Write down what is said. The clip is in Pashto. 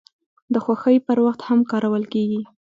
د خوښۍ پر وخت هم کارول کیږي.